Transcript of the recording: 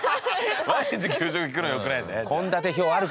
毎日給食聞くのよくないんだね。